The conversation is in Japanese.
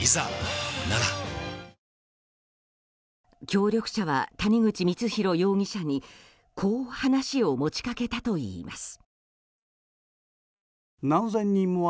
協力者は谷口光弘容疑者にこう話を持ち掛けたといいます。